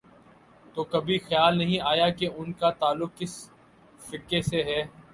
تو کبھی خیال نہیں آیا کہ ان کا تعلق کس فقہ سے ہے۔